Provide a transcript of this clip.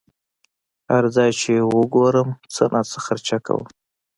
هر ځای چې یې وګورم څه ناڅه خرچه کوم.